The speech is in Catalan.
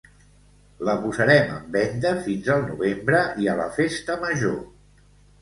La posarem en venda fins al novembre i a la festa major.